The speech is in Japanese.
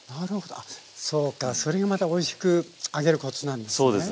あそうかそれがまたおいしく揚げるコツなんですね。